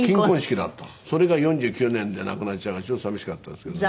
それが４９年で亡くなっちゃうから寂しかったですけどね。